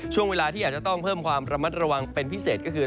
ช่วงเวลาที่อาจจะต้องเพิ่มความระมัดระวังเป็นพิเศษก็คือ